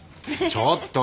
ちょっと。